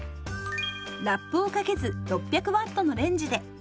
ラップをかけず６００Ｗのレンジで。